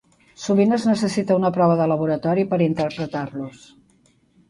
Sovint es necessita una prova de laboratori per interpretar-los.